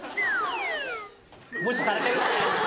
無視されてるって。